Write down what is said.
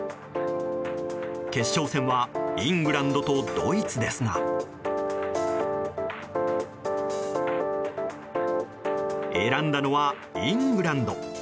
決勝戦はイングランドとドイツですが選んだのはイングランド。